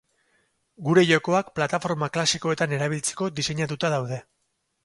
Gure jokoak plataforma klasikoetan erabiltzeko diseinatuta daude.